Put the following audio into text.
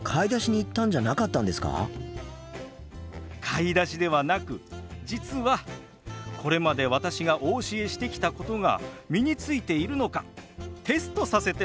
買い出しではなく実はこれまで私がお教えしてきたことが身についているのかテストさせてもらったんです。